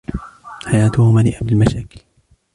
حياته مليئة بالمشاكل.